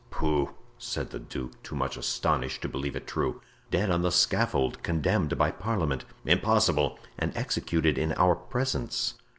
"Pooh!" said the duke, too much astonished to believe it true. "Dead on the scaffold; condemned by parliament." "Impossible!" "And executed in our presence."